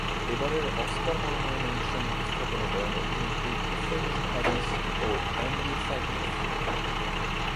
এবারের অস্কার মনোনয়ন অনুষ্ঠান উপস্থাপনা করেন অভিনেত্রী টিফেনি হ্যাডিশ ও অ্যান্ডি সারকিস।